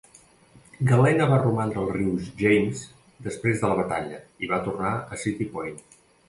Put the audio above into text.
"Galena" va romandre al riu James després de la batalla i va tornar a City Point.